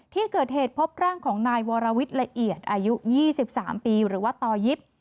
ที่เกิดเหตุพบร่างของนายวรวิทย์ละเอียดอายุ๒๓ปีหรือว่าต่อยิป